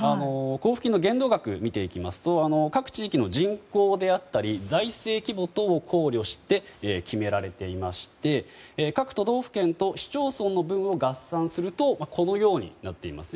交付金の限度額を見ていくと各地域の人口であったり財政規模等を考慮して決められていまして各都道府県と市町村の分を合算するとこのようになっています。